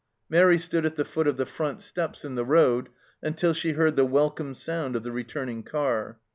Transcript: Mairi stood at the foot of the front steps in the road until she heard the welcome sound of the returning car.